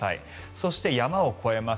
そして山を越えます。